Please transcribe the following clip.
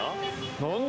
何だ？